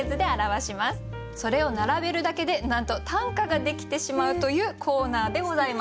それを並べるだけでなんと短歌ができてしまうというコーナーでございます。